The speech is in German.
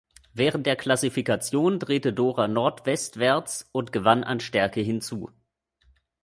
Während der Klassifikation drehte Dora nordwestwärts und gewann an Stärke hin zu.